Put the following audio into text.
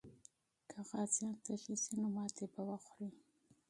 که غازیان تږي سي، نو ماتې به وخوري.